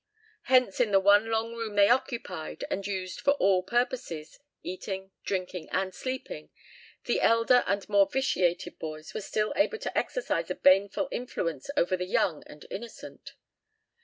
Hence in the one long room they occupied and used for all purposes, eating, drinking, and sleeping, the elder and more vitiated boys were still able to exercise a baneful influence over the young and innocent.